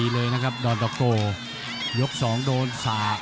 ละ